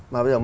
mà bây giờ